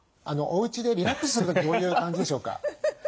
おうちでリラックスする時どういう感じでしょうか？